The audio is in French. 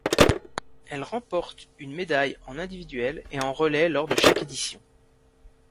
Elle remporte une médaille en individuelle et en relais lors de chaque édition.